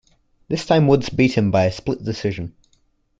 This time Woods beat him by a split decision.